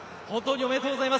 おめでとうございます。